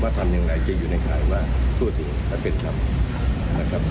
ว่าทำอย่างไรเจอในสารว่าถูกหึเพรียบถูก